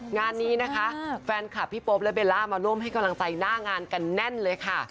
งานนี้นะคะแฟนคลับพี่โป๊ปและเบลล่ามาร่วมให้กำลังใจหน้างานกันแน่นเลยค่ะ